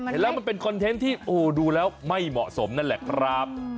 เห็นแล้วมันเป็นคอนเทนต์ที่ดูแล้วไม่เหมาะสมนั่นแหละครับ